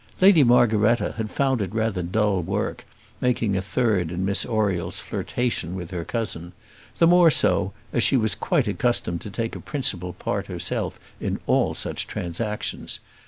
Lady Margaretta had found it rather dull work, making a third in Miss Oriel's flirtation with her cousin; the more so as she was quite accustomed to take a principal part herself in all such transactions.